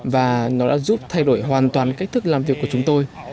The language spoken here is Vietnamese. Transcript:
và nó đã giúp thay đổi hoàn toàn cách thức làm việc của chúng tôi